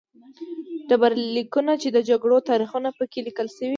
ډبرلیکونه چې د جګړو تاریخونه په کې لیکل شوي